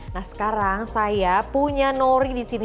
nah sekarang saya punya nori disini